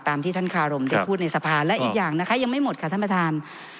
ที่ท่านคารมได้พูดในสภาและอีกอย่างนะคะยังไม่หมดค่ะท่านประธาน